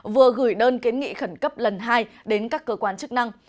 vừa gửi đơn kiến nghị khẩn cấp lần hai đến các cơ quan chức năng